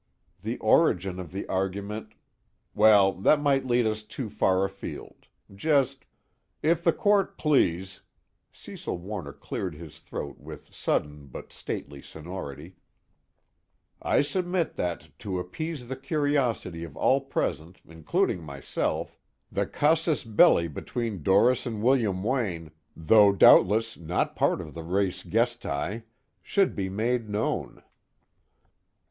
"The origin of the argument " "Well, that might lead us too far afield. Just " "If the Court please " Cecil Warner cleared his throat with sudden but stately sonority "I submit that, to appease the curiosity of all present including myself, the casus belli between Doris and William Wayne, though doubtless not part of the res gestae, should be made known."